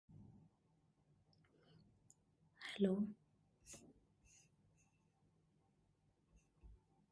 Some sources list him as one of the Five Hegemons.